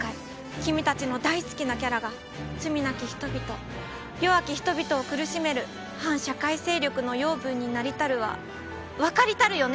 君たちの大好きなキャラが罪なき人々弱き人々を苦しめる反社会勢力の養分になりたるはわかりたるよね？